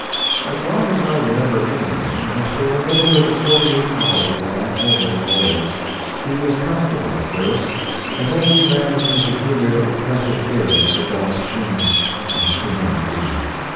As long as I remember anything I shall remember the forty eight hours of that homeward voyage. He was comfortable at first, and then we ran into the humid, oppressive air of the Gulf Stream, and he could not breathe.